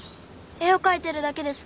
絵を描いてるだけです。